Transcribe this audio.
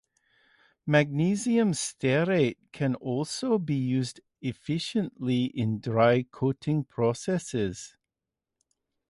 Magnesium stearate can also be used efficiently in dry coating processes.